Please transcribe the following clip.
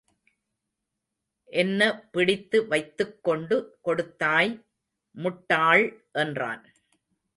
என்ன பிடித்து வைத்துக் கொண்டு கொடுத்தாய், முட்டாள் என்றான்.